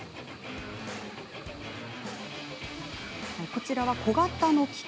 こちらは小型の機械。